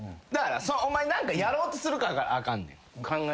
お前何かやろうとするからあかんねん。